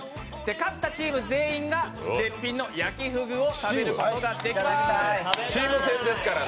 勝ったチーム全員が絶品の焼ふぐを食べることができます。